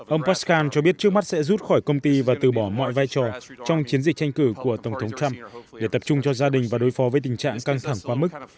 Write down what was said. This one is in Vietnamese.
ông parscale cho biết trước mắt sẽ rút khỏi công ty và từ bỏ mọi vai trò trong chiến dịch tranh cử của tổng thống trump để tập trung cho gia đình và đối phó với tình trạng căng thẳng quá mức